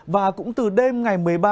và cũng từ đêm ngày một mươi ba